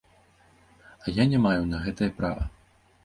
А я не маю на гэтае права.